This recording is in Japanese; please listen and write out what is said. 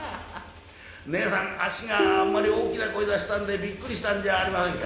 『ねえさんあっしがあんまり大きな声出したんでびっくりしたんじゃありませんか？』